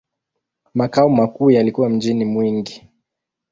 Makao makuu yalikuwa mjini Mwingi.